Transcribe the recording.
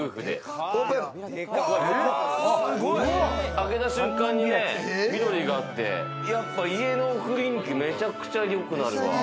開けた瞬間にね、緑があって、やっぱ家の雰囲気、めちゃくちゃよくなるわ。